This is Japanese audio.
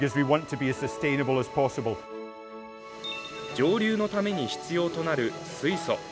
蒸留のために必要となる水素。